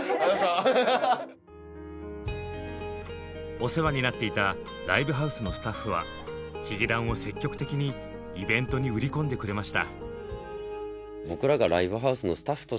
お世話になっていたライブハウスのスタッフはヒゲダンを積極的にイベントに売り込んでくれました。